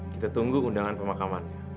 kita tunggu undangan pemakamannya